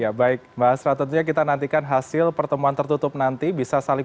ya baik mbak asra tentunya kita nantikan hasil pertemuan tertutup nanti bisa saling